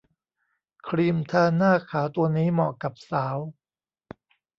ครีมทาหน้าขาวตัวนี้เหมาะกับสาว